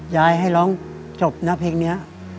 ยายให้ร้องจบนะเพลงนี้